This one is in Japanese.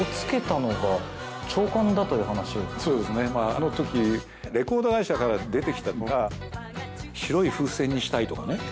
あの時レコード会社から出て来たのが「白い風船」にしたいとかね